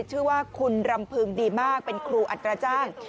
ชื่อว่าคุณรำพึงดีมากเป็นครูอัตราจ้าง